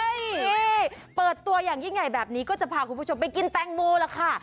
นี่เปิดตัวอย่างยิ่งใหญ่แบบนี้ก็จะพาคุณผู้ชมไปกินแตงโมล่ะค่ะ